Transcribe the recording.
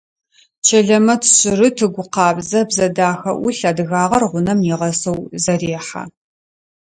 Чэлэмэт шъырыт, ыгу къабзэ, бзэ дахэ ӏулъ, адыгагъэр гъунэм нигъэсэу зэрехьэ.